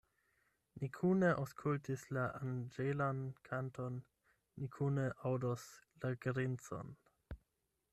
Ni kune aŭskultis la anĝelan kanton, ni kune aŭdos la grincon.